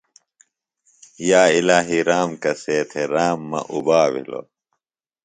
یا الہی رام کسے تھےۡ رام مہ اُبا بِھلوۡ۔